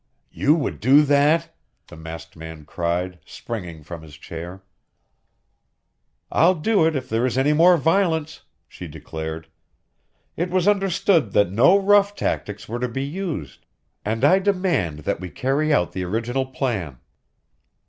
"You would do that!" the masked man cried, springing from his chair. "I'll do it if there is any more violence!" she declared. "It was understood that no rough tactics were to be used, and I demand that we carry out the original plan!"